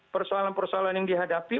persoalan persoalan yang dihadapi